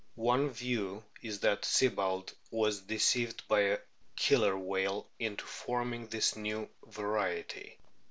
One view is that Sibbald was deceived by a Killer whale into forming this new variety.